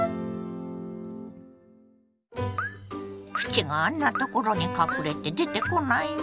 プチがあんなところに隠れて出てこないわ。